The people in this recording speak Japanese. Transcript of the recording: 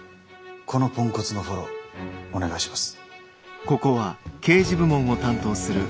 このポンコツのフォローお願いします。